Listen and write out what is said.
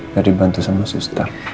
biar dibantu sama sustang